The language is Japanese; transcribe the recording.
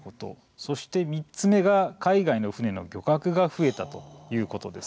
そして３つ目が海外の船の漁獲が増えたということです。